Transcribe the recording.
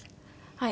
はい。